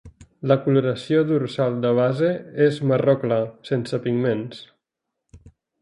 La coloració dorsal de base és marró clar, sense pigments.